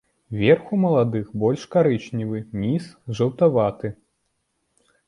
Верх у маладых больш карычневы, ніз жаўтаваты.